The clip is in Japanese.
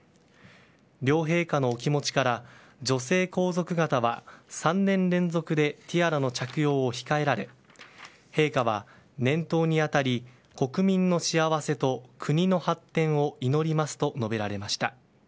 両陛下のお気持ちから女性皇族方は３年連続でティアラの着用を控えられ陛下は、年頭に当たり国民の幸せと国の発展を祈りますと述べられました。